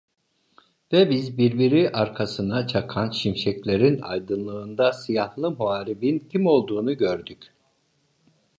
Ve biz, birbiri arkasına çakan şimşeklerin aydınlığında siyahlı muharibin kim olduğunu gördük.